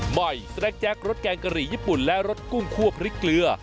ใหม่สแนคแจ็ครสแกงกะหรี่ญี่ปุ่นและรสกุ้งคั่วพริกเกลือ